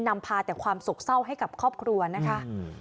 นำพาแต่ความสกเศร้าให้กับครอบครัวนะคะ